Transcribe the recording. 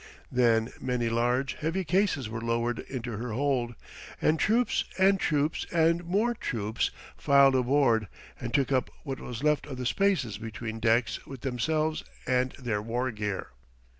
Then many large, heavy cases were lowered into her hold, and troops and troops and more troops filed aboard and took up what was left of the spaces between decks with themselves and their war gear.